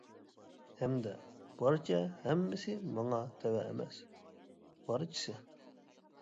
ھەمدە بارچە ھەممىسى ماڭا تەۋە ئەمەس، بارچىسى!